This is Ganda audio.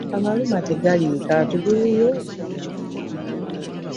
Amaluma tegaliika, tuguleyo akava.